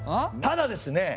ただですね！